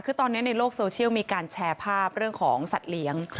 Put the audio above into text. คือตอนนี้ในโลกโซเชียลมีการแชร์ภาพเรื่องของสัตว์เลี้ยง